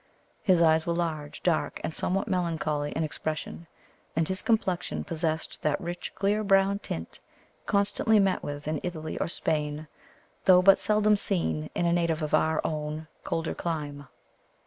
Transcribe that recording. His eyes were large, dark, and somewhat melancholy in expression, and his complexion possessed that rich clear brown tint constantly met with in Italy or Spain, though but seldom seen in a native of our own colder clime.